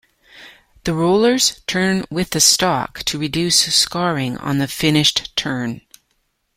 The rollers turn with the stock to reduce scarring on the finished turn.